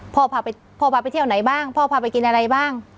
พ่อพาไปเที่ยวไหนบ้างพ่อพาไปกินอะไรบ้าง